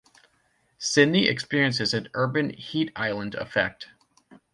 Sydney experiences an urban heat island effect.